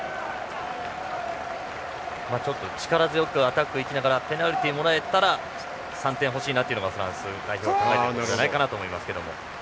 力強くアタックに行きながらペナルティーをもらえたら３点欲しいなというのがフランスの考えじゃないかなと思いますけど。